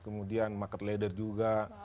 kemudian market leader juga